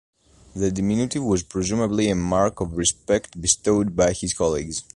The diminutive was presumably a mark of respect bestowed by his colleagues.